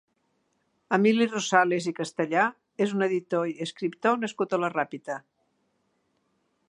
Emili Rosales i Castellà és un editor i escriptor nascut a la Ràpita.